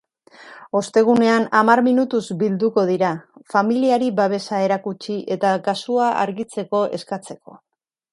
Ostegunean hamar minutuz bilduko dira, familiari babesa erakutsi eta kasua argitzeko eskatzeko.